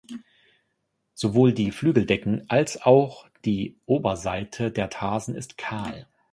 Sowohl die Flügeldecken als auch die Oberseite der Tarsen ist kahl.